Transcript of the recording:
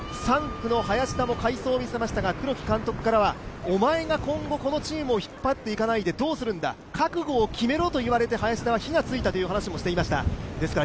３区の林田も快走を見せましたが、黒木監督からはお前が今後このチームを引っ張っていかないでどうするんだ覚悟を決めろと言われて、林田は火がついたという話をしていました。